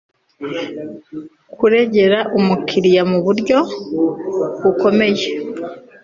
kurengera umukiriya mu buryo bukomeye